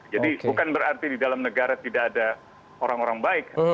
jadi bukan berarti di dalam negara tidak ada orang orang baik